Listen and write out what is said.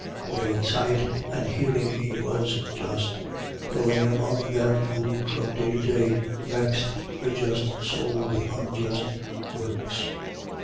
For in sight and hearing he was just, dwelling among them who from day to day vexed the just soul with unjust works.